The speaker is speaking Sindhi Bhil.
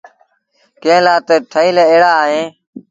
ڪݩهݩ لآ تا ٺهيٚل ايڙآ اوهيݩ۔